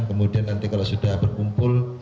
kemudian nanti kalau sudah berkumpul